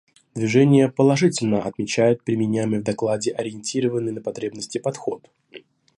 Движение положительно отмечает применяемый в докладе ориентированный на потребности подход.